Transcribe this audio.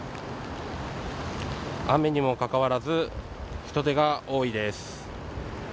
雨にもかかわらず、人出が多いです。